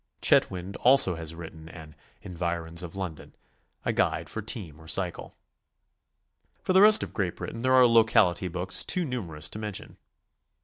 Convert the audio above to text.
Chetwynd also has written an "Environs of London," a guide for team or cycle. For the rest of Great Britain there are locality books too numerous to mention.